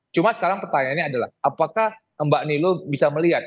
cuma sekarang pertanyaannya adalah apakah mbak nilu bisa melihat